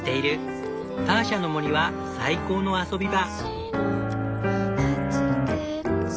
ターシャの森は最高の遊び場。